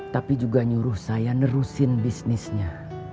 tapi juga nyuruh saya nerusin bisnisnya